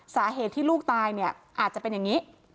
สาเหตุที่ลูกตายเนี่ยอาจจะเป็นอย่างนี้